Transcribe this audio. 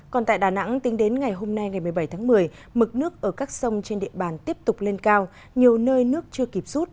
còn tại đà nẵng tính đến ngày hôm nay ngày một mươi bảy tháng một mươi mực nước ở các sông trên địa bàn tiếp tục lên cao nhiều nơi nước chưa kịp rút